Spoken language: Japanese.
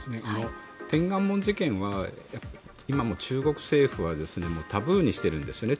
天安門事件は今も中国政府はタブーにしているんですね。